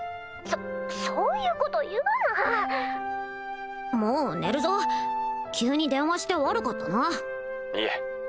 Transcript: そそういうこと言うなもう寝るぞ急に電話して悪かったないえ